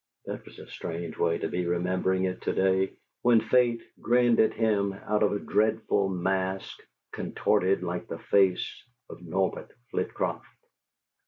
That was a strange way to be remembering it to day, when Fate grinned at him out of a dreadful mask contorted like the face of Norbert Flitcroft.